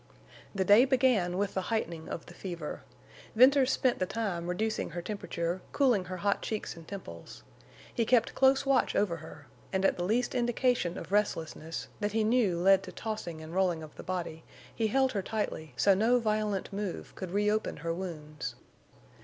The day began with the heightening of the fever. Venters spent the time reducing her temperature, cooling her hot cheeks and temples. He kept close watch over her, and at the least indication of restlessness, that he knew led to tossing and rolling of the body, he held her tightly, so no violent move could reopen her wounds.